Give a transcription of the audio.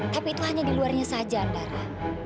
tapi itu hanya di luarnya saja mbara